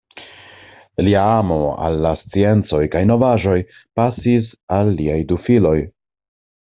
Lia amo al la sciencoj kaj novaĵoj pasis al liaj du filoj.